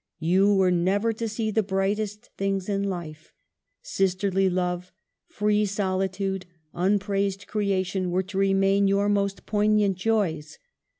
You were never to see the brightest things in life. Sis terly love, free solitude, unpraised creation, were to remain your most poignant joys.